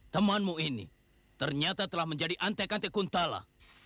temanmu ini ternyata telah menjadi antek antek kuntala